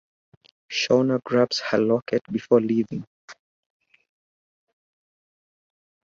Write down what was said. Shawna grabs her locket before leaving.